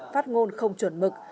phát ngôn không chuẩn mực